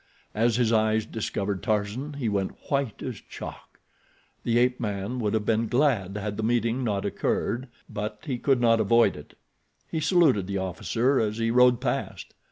As his eyes discovered Tarzan he went white as chalk. The ape man would have been glad had the meeting not occurred, but he could not avoid it. He saluted the officer as he rode past.